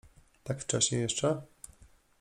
— Tak wcześnie jeszcze?